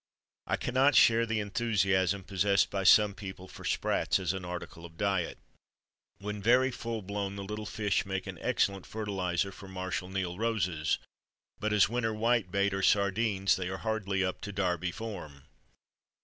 I cannot share the enthusiasm possessed by some people for SPRATS, as an article of diet. When very "full blown," the little fish make an excellent fertiliser for Marshal Niel roses; but as "winter whitebait," or sardines they are hardly up to "Derby form."